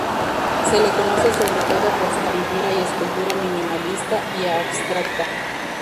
Se le conoce sobre todo por su pintura y escultura minimalista y abstracta.